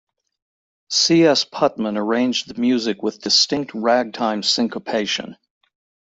C. S. Putman arranged the music with distinct ragtime syncopation.